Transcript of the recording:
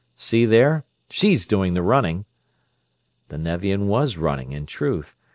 See there? She's doing the running." The Nevian was running, in truth.